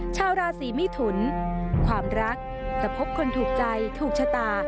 ชาวราศีมิถุนความรักจะพบคนถูกใจถูกชะตา